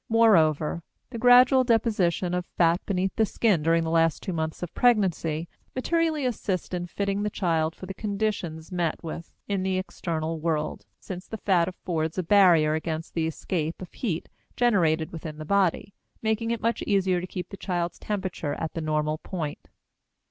Moreover, the gradual deposition of fat beneath the skin during the last two months of pregnancy materially assists in fitting the child for the conditions met with in the external world, since the fat affords a barrier against the escape of heat generated within the body, making it much easier to keep the child's temperature at the normal point.